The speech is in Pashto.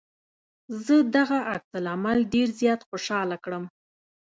زه دغه عکس العمل ډېر زيات خوشحاله کړم.